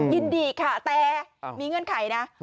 ยินดีค่ะแต่มีเงื่อนไขนะ